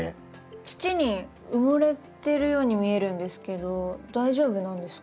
土に埋もれてるように見えるんですけど大丈夫なんですか？